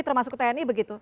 termasuk tni begitu